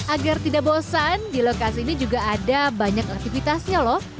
agar tidak bosan di lokasi ini juga ada banyak aktivitasnya loh